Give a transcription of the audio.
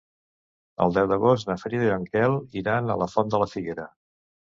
El deu d'agost na Frida i en Quel iran a la Font de la Figuera.